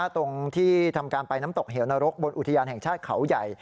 ตรงที่ทำการไปน้ำตกเหวนรกบนอุทยานแห่งชาติเขาใหญ่